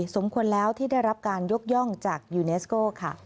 สมควรแล้วที่ได้รับการยกย่องจากยูเนสโก้ค่ะ